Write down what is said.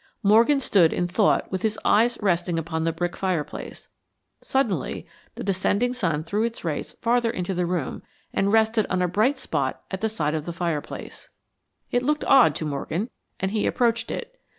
Morgan stood in thought with his eyes resting upon the brick fireplace. Suddenly the descending sun threw its rays farther into the room and rested on a bright spot at the side of the fireplace. It looked odd to Morgan and he approached it.